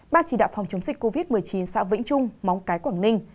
ban chỉ đạo phòng chống dịch covid một mươi chín xã vĩnh trung móng cái quảng ninh